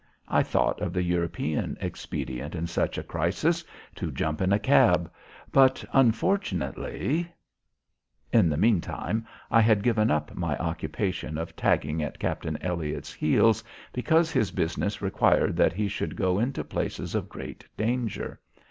I thought of the European expedient in such a crisis to jump in a cab. But unfortunately In the meantime I had given up my occupation of tagging at Captain Elliott's heels, because his business required that he should go into places of great danger.